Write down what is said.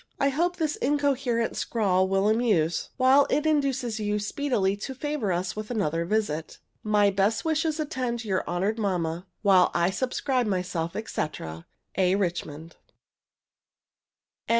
I hope this incoherent scrawl will amuse, while it induces you speedily to favor us with another visit. My best wishes attend your honored mamma, while I subscribe myself, &c., A. RICHMAN. LETTER XLIV. TO MRS.